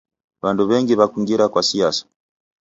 W'andu w'engi w'akungira kwa siasa.